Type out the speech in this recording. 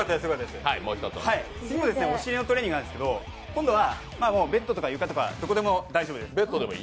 お尻のトレーニングなんですけど今度はベッドとか床とかどこでも大丈夫です。